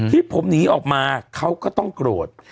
ที่ผมหนีออกมาเขาก็ต้องโกรธ